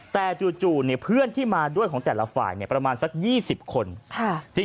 แต่จู่เพื่อนที่มาด้วยของแต่ละฝ่ายประมาณสัก๒๐คน